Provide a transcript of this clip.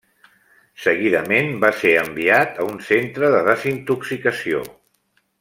Seguidament va ser enviat a un centre de desintoxicació.